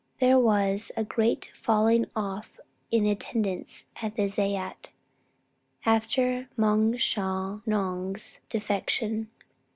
There was a great falling off in the attendance at the zayat after Moung shwa gnong's defection.